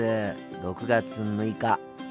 ６月６日。